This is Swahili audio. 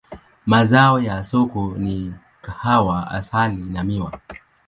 Mazao ya soko ni kahawa, asali na miwa.